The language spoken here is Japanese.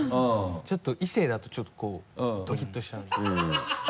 ちょっと異性だとちょっとこうドキッとしちゃうんですよね。